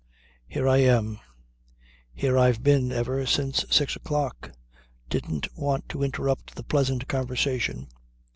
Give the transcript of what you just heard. "Here I am. Here I've been ever since six o'clock. Didn't want to interrupt the pleasant conversation.